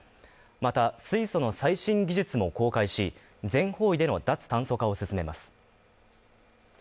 また、水素の最新技術も公開し、全方位での脱炭素化を進めます。